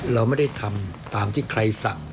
เราไม่ได้ทำตามที่ใครสั่ง